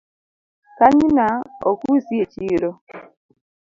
Kanyna ok usi echiro